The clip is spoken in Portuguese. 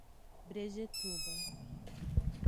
Brejetuba